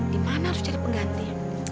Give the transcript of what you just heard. di mana harus jadi pengganti